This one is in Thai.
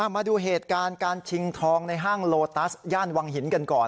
มาดูเหตุการณ์การชิงทองในห้างโลตัสย่านวังหินกันก่อน